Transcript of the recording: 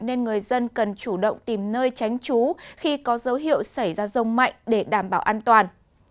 nên người dân cần chủ động tìm nơi tránh trú khi có dấu hiệu xảy ra rông mạnh để đảm bảo an toàn